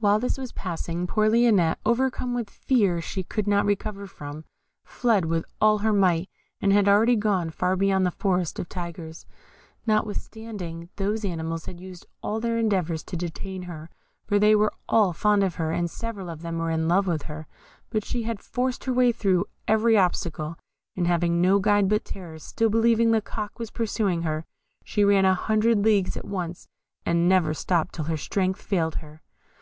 While this was passing, poor Lionette, overcome with a fear she could not recover from, fled with all her might, and had already gone far beyond the Forest of Tigers, notwithstanding those animals had used all their endeavours to detain her, for they were all fond of her, and several of them were even in love with her; but she had forced her way through every obstacle, and having no guide but terror, still believing the Cock was pursuing her, she ran a hundred leagues at once, and never stopped till her strength failed her.